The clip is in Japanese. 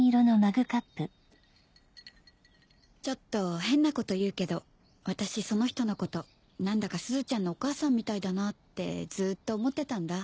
ちょっと変なこと言うけど私その人のこと何だかすずちゃんのお母さんみたいだなってずっと思ってたんだ。